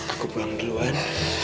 aku pulang duluan